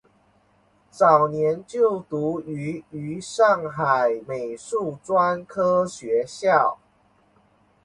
早年就读于于上海美术专科学校。